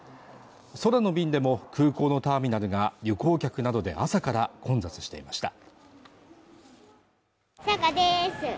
空の便でも空港のターミナルが旅行客などで朝から混雑していました